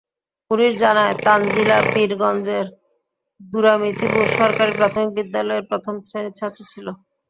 Police জানায়, তানজিলা পীরগঞ্জের দুরামিথিপুর সরকারি প্রাথমিক বিদ্যালয়ের প্রথম শ্রেণির ছাত্রী ছিল।